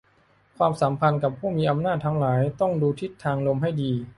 ความสัมพันธ์กับผู้มีอำนาจทั้งหลายต้องดูทิศทางลมให้ดี